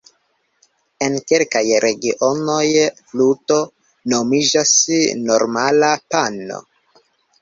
En kelkaj regionoj 'fluto' nomiĝas normala 'pano'.